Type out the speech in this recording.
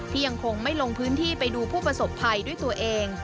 ยังคงไม่ลงพื้นที่ไปดูผู้ประสบภัยด้วยตัวเอง